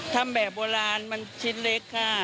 ทำแบบโบราณมันชิ้นเล็กค่ะ